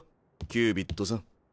キュービッドさん。